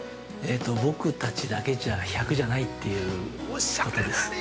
◆僕達だけじゃ１００じゃないっていうことです。